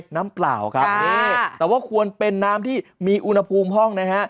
น้ำเปล่าครับนี่แต่ว่าควรเป็นน้ำที่มีอุณหภูมิห้องนะฮะ